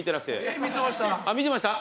見てました？